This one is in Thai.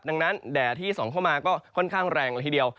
ดังนั้นแดดที่ส่องเข้ามาก็ค่อนข้างแรงละทีเดียว